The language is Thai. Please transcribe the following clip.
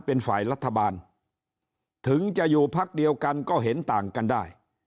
เป็นฝ่ายรัฐบาลถึงจะอยู่พักเดียวกันก็เห็นต่างกันได้